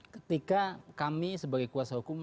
ketika kami sebagai kuasa hukum